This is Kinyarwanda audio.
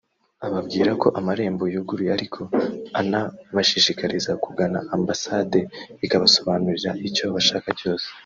ababwira ko amarembo yuguruye ariko anabashishikariza kugana Amabasade ikabasobanurira icyo bashaka cyose